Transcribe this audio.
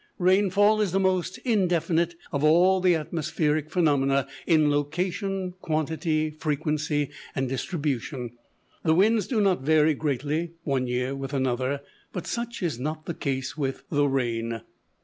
Rainfall is the most indefinite of all the atmospheric phenomena in location, quantity, frequency, and distribution. The winds do not vary greatly, one year with another; but such is not the case with the rain.